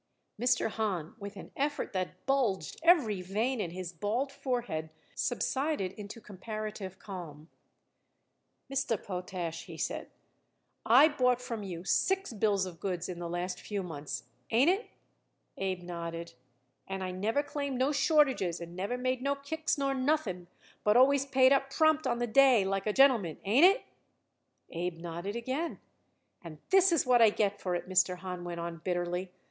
Mr. Hahn, with an effort that bulged every vein in his bald forehead, subsided into comparative calm. "Mr. Potash," he said, "I bought from you six bills of goods in the last few months. Ain't it?" Abe nodded. "And I never claimed no shortages and never made no kicks nor nothing, but always paid up prompt on the day like a gentleman. Ain't it?" Abe nodded again. "And this is what I get for it," Mr. Hahn went on bitterly.